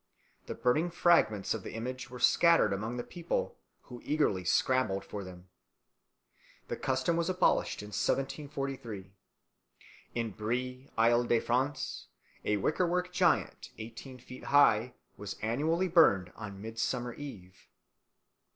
The burning fragments of the image were scattered among the people, who eagerly scrambled for them. The custom was abolished in 1743. In Brie, Isle de France, a wicker work giant, eighteen feet high, was annually burned on Midsummer Eve.